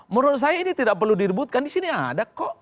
menurut saya ini tidak perlu diributkan di sini ada kok